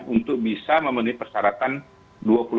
untuk bisa memenuhi persyaratan dua puluh persen kursi